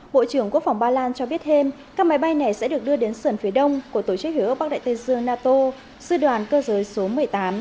bộ trưởng quốc phòng ba lan cho biết thêm các máy bay này sẽ được đưa đến sườn phía đông của tổ chức hiểu ước bắc đại tây dương nato sư đoàn cơ giới số một mươi tám